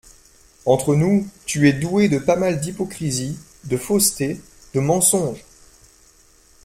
Entre nous, tu es douée de pas mal d’hypocrisie, de fausseté, de mensonge !